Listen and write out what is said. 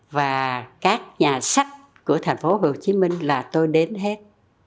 và các nhà sách của thành phố hồ chí minh là tôi đến hết